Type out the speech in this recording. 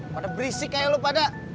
pada berisik kayak lu pada